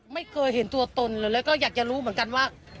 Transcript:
ไม่เคยเห็นตัวตนเลยแล้วก็อยากจะรู้เหมือนกันว่า